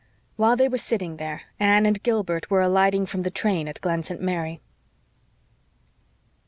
While they were sitting there Anne and Gilbert were alighting from the train at Glen St. Mary.